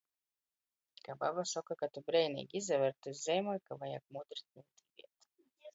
Ka baba soka, ka tu breineigi izaver, tys zeimoj, ka vajag mudri nūtīvēt.